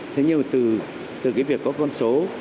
thế nhưng từ cái việc có con số